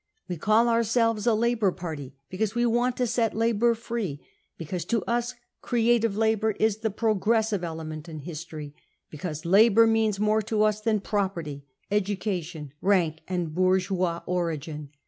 We call ourselves a Labour Party, because we want to set labour free, because to us creative labour is the progressive element in history, because labour means more to us than property, education, rank and bourgeois origin.